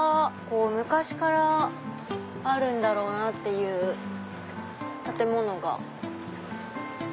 昔からあるんだろうなっていう建物が。